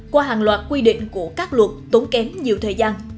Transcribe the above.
qua hàng loạt quy định của các luật tốn kém nhiều thời gian